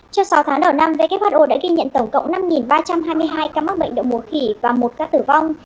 trước sáu tháng đầu năm who đã ghi nhận tổng cộng năm ba trăm hai mươi hai ca mắc bệnh đậu mùa khỉ và một ca tử vong